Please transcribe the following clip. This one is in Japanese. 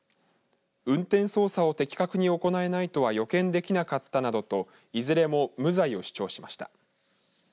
運転操作を的確に行えないとは予見できなかったなどといずれも無罪を主張しました。